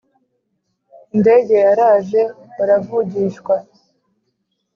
indege yaraje baravugishwa